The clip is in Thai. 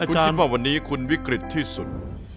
คุณคิดว่าวันนี้คุณวิกฤตที่สุด